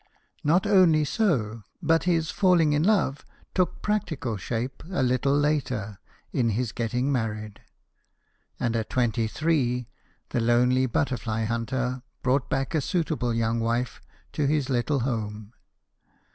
Not only so, but his falling in love took practical shape a little later in his getting married ; and at twenty three, the lonely butter fly hunter brought back a suitable young wife to his little home.